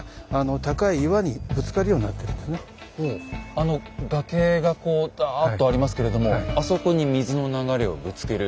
あの崖がこうだっとありますけれどもあそこに水の流れをぶつける。